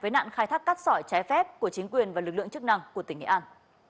với nạn khai thác cát sỏi trái phép của chính quyền và lực lượng chức năng của tỉnh nghệ an